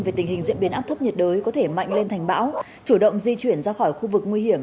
về tình hình diễn biến áp thấp nhiệt đới có thể mạnh lên thành bão chủ động di chuyển ra khỏi khu vực nguy hiểm